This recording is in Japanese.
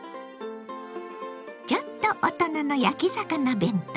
ちょっと大人の焼き魚弁当。